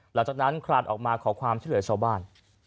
หลังจากนั้นคลานออกมาขอความช่วยเหลือชาวบ้าน